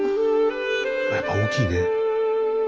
やっぱ大きいね。